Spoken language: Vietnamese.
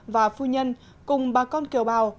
và phu nhân cùng bà con kiều bào